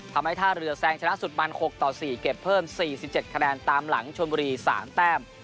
ท่าเรือแซงชนะสุดมัน๖ต่อ๔เก็บเพิ่ม๔๗คะแนนตามหลังชนบุรี๓แต้ม